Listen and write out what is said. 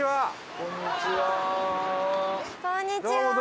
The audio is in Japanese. こんにちは！